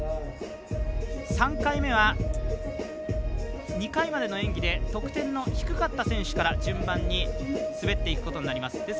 ３回目は２回目までの演技で得点が低かった選手から順番に滑っていくことになります。